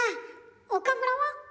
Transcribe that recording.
岡村は？